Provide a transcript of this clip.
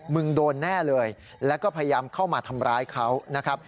มึงโดนแน่เลยและก็พยายามเข้ามาทำร้ายเขา